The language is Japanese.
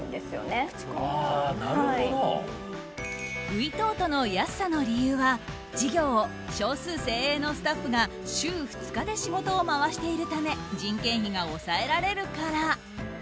ウイトートの安さの理由は事業を少数精鋭のスタッフが週２日で仕事を回しているため人件費が抑えられるから。